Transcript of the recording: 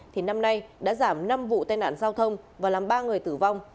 thì năm nay đã giảm năm vụ tai nạn giao thông và làm ba người tử vong